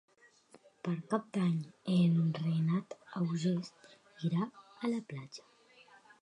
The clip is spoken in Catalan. Per Cap d'Any en Renat August irà a la platja.